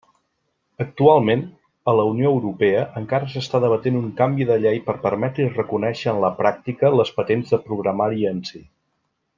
Actualment, a la Unió Europea encara s'està debatent un canvi de llei per permetre i reconèixer en la pràctica les patents de programari en si.